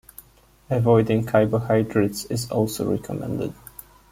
Avoiding carbohydrates is also recommended.